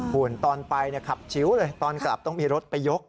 คุณตอนไปขับชิวเลยตอนกลับต้องมีรถไปยก